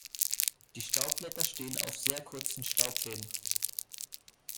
Die Staubblätter stehen auf sehr kurzen Staubfäden.